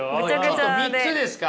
３つですか？